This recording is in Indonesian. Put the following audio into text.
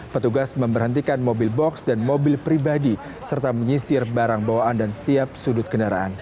petugas memberhentikan mobil box dan mobil pribadi serta menyisir barang bawaan dan setiap sudut kendaraan